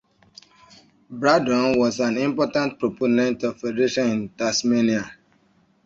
Braddon was an important proponent of federation in Tasmania.